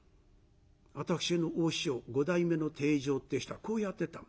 私の大師匠五代目の貞丈っていう人はこうやってた。